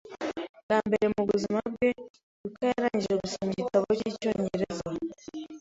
Bwa mbere mubuzima bwe, Yuka yarangije gusoma igitabo cyicyongereza